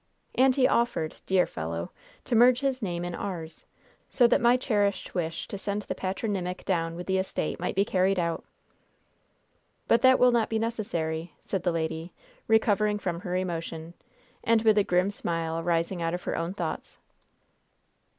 And he offered dear fellow to merge his own name in ours, so that my cherished wish to send the patronymic down with the estate might be carried out." "But that will not be necessary," said the lady, recovering from her emotion, and with a grim smile arising out of her own thoughts.